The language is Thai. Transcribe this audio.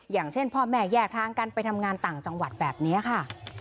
อย่างเช่นพ่อแม่แยกทางกันไปทำงานต่างจังหวัดแบบนี้ค่ะ